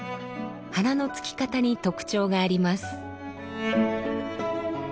花のつき方に特徴があります。